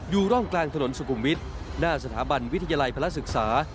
อยู่ร่องกลางถนนสกุมวิทย์หน้าสถาบันวิทยาลัยพลศึกษา